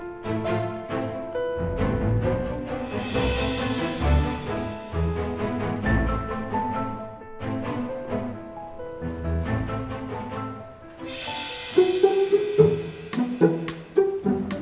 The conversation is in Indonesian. gue mau tidur sama dia lagi